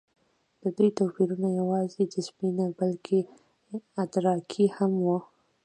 د دوی توپیرونه یواځې جسمي نه، بلکې ادراکي هم وو.